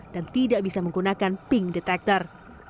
dan tidak bisa menggunakan ping detector